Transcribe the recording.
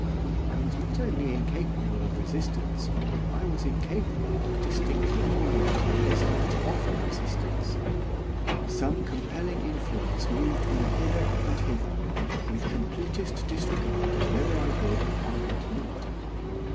I was not only incapable of resistance, I was incapable of distinctly formulating the desire to offer resistance. Some compelling influence moved me hither and hither, with completest disregard of whether I would or would not.